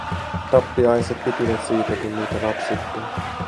Tappiaiset pitivät siitä, kun niitä rapsutti.